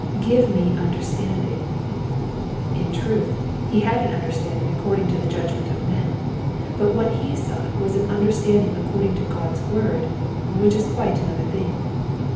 *' Give me understanding." In truth, he had an understanding according to the judgment of men, but what he sought was an understanding according to God's word, which is quite another thing.